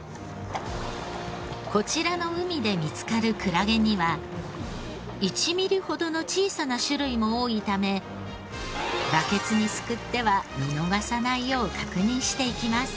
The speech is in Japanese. こちらの海で見つかるクラゲには１ミリほどの小さな種類も多いためバケツにすくっては見逃さないよう確認していきます。